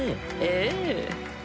ええ。